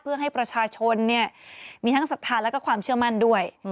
เพื่อให้ประชาชนมีทั้งศักดิ์ฐานและความเชื่อมั่นด้วย